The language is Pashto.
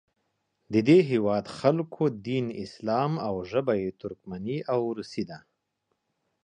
د دې هیواد خلکو دین اسلام او ژبه یې ترکمني او روسي ده.